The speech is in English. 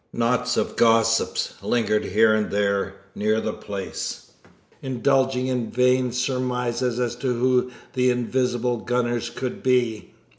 Knots of gossips lingered here and there near the place, indulging in vain surmises as to who the invisible gunners could be.